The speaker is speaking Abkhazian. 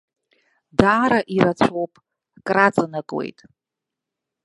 Даара ирацәоуп, краҵанакуеит.